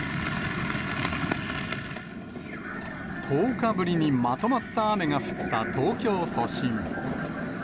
１０日ぶりにまとまった雨が降った東京都心。